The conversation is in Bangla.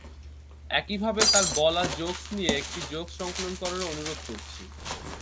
একইভাবে তার বলা জোকস নিয়ে একটি জোকস সংকলন করারও অনুরোধ করছি।